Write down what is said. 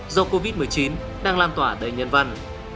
do covid một mươi chín đang lan tỏa đầy nhân văn